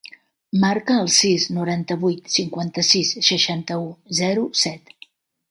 Marca el sis, noranta-vuit, cinquanta-sis, seixanta-u, zero, set.